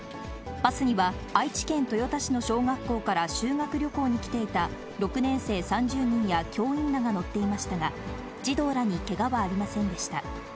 バスには、愛知県豊田市の小学校から修学旅行に来ていた６年生３０人や教員らが乗っていましたが、児童らにけがはありませんでした。